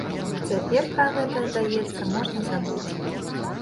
Цяпер пра гэта, здаецца, можна забыць.